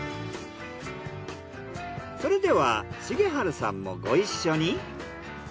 それでは重治さんもご一緒に。